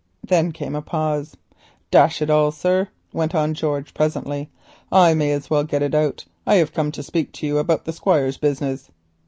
Then came a pause. "Dash it all, sir," went on George presently, "I may as well get it out; I hev come to speak to you about the Squire's business."